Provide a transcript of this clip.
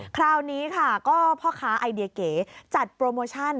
คราวนี้ค่ะก็พ่อค้าไอเดียเก๋จัดโปรโมชั่น